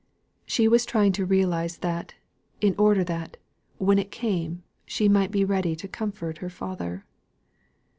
She was trying to realise that, in order that, when it came, she might be ready to comfort her father.